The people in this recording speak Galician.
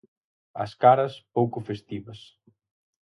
As caras, pouco festivas.